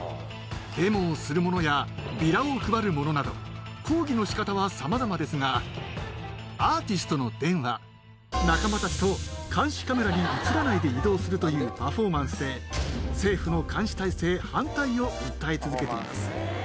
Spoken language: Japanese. デモをする者やビラを配る者など、抗議のしかたはさまざまですが、アーティストのデンは、仲間たちと監視カメラに写らないで移動するというパフォーマンスで、政府の監視体制反対を訴え続けています。